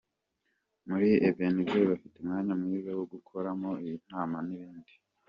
Muri Ebenezer bafite umwanya mwiza wo gukoreramo inama n'ibindi.